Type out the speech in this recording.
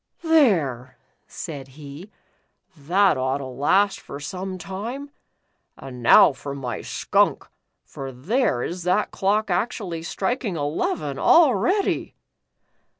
"There," said he, "that ought to last for some time. And now for my skunk, for there is that clock actually striking eleven already."